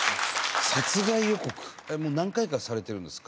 もう何回かされてるんですか？